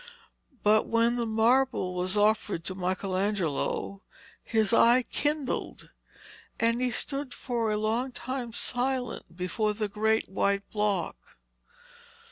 But when the marble was offered to Michelangelo his eye kindled and he stood for a long time silent before the great white block.